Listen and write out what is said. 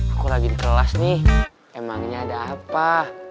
aku lagi di kelas nih emangnya ada apa